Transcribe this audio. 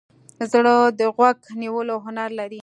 زړه د غوږ نیولو هنر لري.